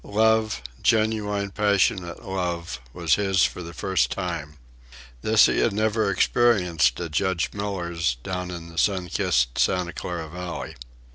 Love, genuine passionate love, was his for the first time. This he had never experienced at Judge Miller's down in the sun kissed Santa Clara Valley.